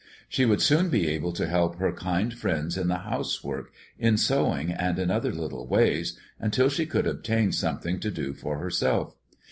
She would soon be able to help her kind friends in the housework, in sewing, and in other little ways, until she could obtain something to do for herself.